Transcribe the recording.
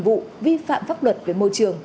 vụ vi phạm pháp luật về môi trường